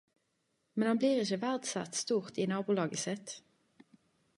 Men han blir ikkje verdsett stort i nabolaget sitt.